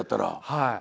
はい。